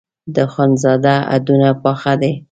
د اخوندزاده هډونه پاخه دي.